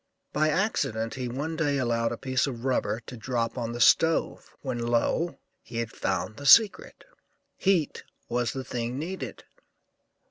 By accident he one day allowed a piece of rubber to drop on the stove, when, lo! he had found the secret, heat was the thing needed.